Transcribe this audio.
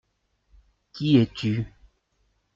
Qui es-tu ?